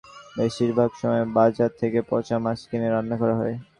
বেশির ভাগ সময় বাজার থেকে পচা মাছ কিনে রান্না করা হয়।